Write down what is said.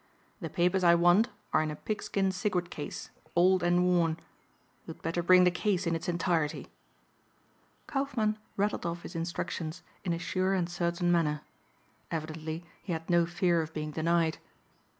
The papers I want are in a pigskin cigarette case, old and worn. You'd better bring the case in its entirety." Kaufmann rattled off his instructions in a sure and certain manner. Evidently he had no fear of being denied.